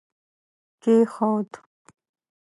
کښېښود